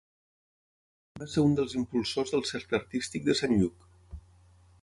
Va ser un dels impulsors del Cercle Artístic de Sant Lluc.